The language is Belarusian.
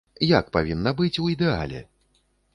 Як павінна быць у ідэале?